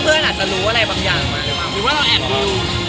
เพื่อนอาจจะรู้แบบอะไรบางอย่างไง